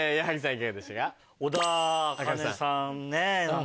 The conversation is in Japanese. いかがでしたか？